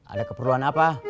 ada keperluan apa